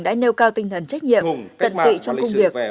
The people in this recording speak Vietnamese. đã nêu cao tinh thần trách nhiệm tận tụy trong công việc